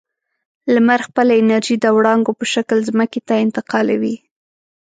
لمر خپله انرژي د وړانګو په شکل ځمکې ته انتقالوي.